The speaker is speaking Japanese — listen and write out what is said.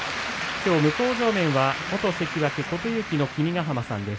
向正面は元関脇琴勇輝の君ヶ濱さんです。